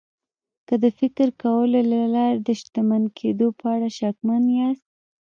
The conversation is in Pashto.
که د فکر کولو له لارې د شتمن کېدو په اړه شکمن ياست.